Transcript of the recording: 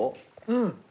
うん。